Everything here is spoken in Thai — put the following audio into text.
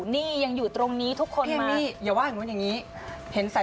แน่นอนไม่หนีนะอยู่นี่นะ